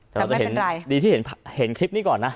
แต่ไม่เป็นไรดีที่เห็นคลิปนี้ก่อนนะ